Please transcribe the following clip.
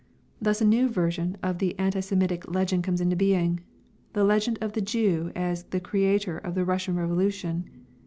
Thus a new version of the anti Semitic legend comes into being: the legend of the Jew as the creator of the Russian revolution.